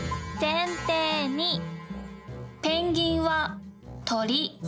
「ペンギンは鳥」。